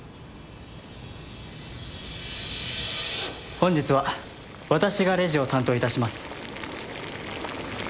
本日は私がレジを担当いたします！